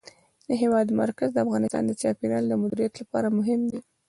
د هېواد مرکز د افغانستان د چاپیریال د مدیریت لپاره مهم دي.